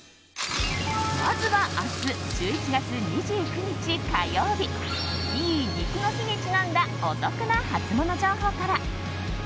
まずは明日１１月２９日火曜日いい肉の日にちなんだお得なハツモノ情報から。